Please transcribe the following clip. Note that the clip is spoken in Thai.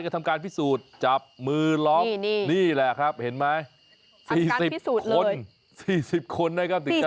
ทำการพิสูจน์เลยสี่สิบคนสี่สิบคนนะครับติดจัดล้อม